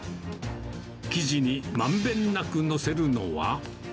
生地にまんべんなく載せるのは。